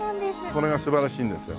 これが素晴らしいんですよ。